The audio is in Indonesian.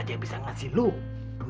lebih banyak dari situ